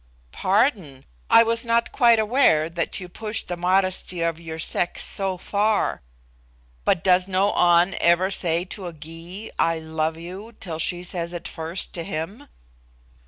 "Pardon: I was not quite aware that you pushed the modesty of your sex so far. But does no An ever say to a Gy, 'I love you,' till she says it first to him?"